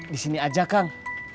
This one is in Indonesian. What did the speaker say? di sini aja kang